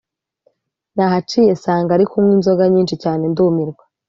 Nahaciye sanga ari kunywa inzoga nyishi cyane ndumirwa